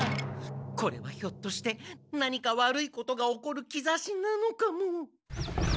これはひょっとして何か悪いことが起こるきざしなのかも。